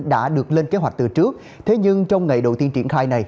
đã được lên kế hoạch từ trước thế nhưng trong ngày đầu tiên triển khai này